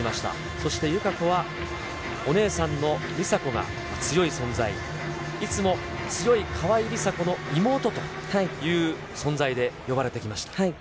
そして友香子はお姉さんの梨紗子が強い存在、いつも強い川井梨紗子の妹という存在で呼ばれてきました。